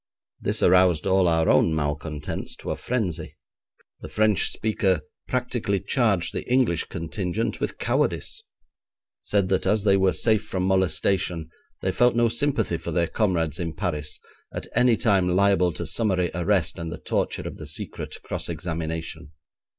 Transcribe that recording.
This aroused all our own malcontents to a frenzy. The French speaker practically charged the English contingent with cowardice; said that as they were safe from molestation, they felt no sympathy for their comrades in Paris, at any time liable to summary arrest and the torture of the secret cross examination.